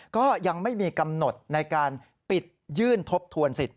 ก็ยังไม่มีกำหนดในการปิดยื่นทบทวนสิทธิ